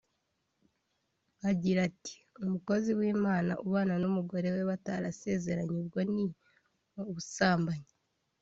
agira ati «Umukozi w’Imana ubana n’umugore we batarasezeranye ubwo ni ubusambanyi